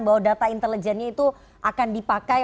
bahwa data intelijennya itu akan dipakai